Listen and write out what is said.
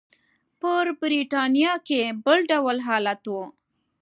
په برېټانیا کې بل ډول حالت و.